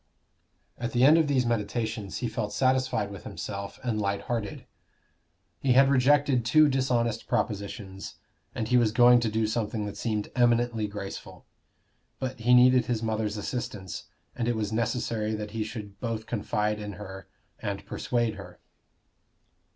At the end of these meditations he felt satisfied with himself and light hearted. He had rejected two dishonest propositions, and he was going to do something that seemed eminently graceful. But he needed his mother's assistance, and it was necessary that he should both confide in her and persuade her.